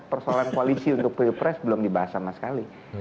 persoalan koalisi untuk pilpres belum dibahas sama sekali